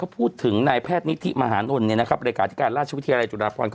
พูดถึงนายแพทย์นิธิมหานลเลขาธิการราชวิทยาลัยจุฬาพร